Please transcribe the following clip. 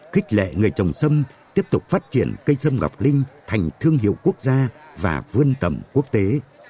khích lệ người trồng sâm tiếp tục phát triển cây sâm ngọc linh thành thương hiệu quốc gia và vươn tầm quốc tế